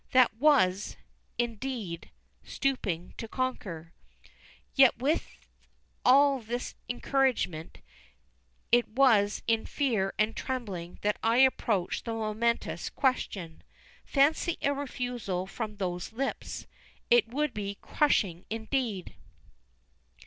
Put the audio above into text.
That was, indeed, "stooping to conquer." Yet with all this encouragement, it was in fear and trembling that I approached the momentous question. Fancy a refusal from those lips. It would be crushing indeed!